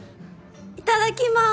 いただきます！